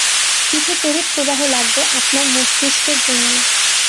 কিছু তড়িৎ প্রবাহ লাগবে আপনার মস্তিস্কের জন্য।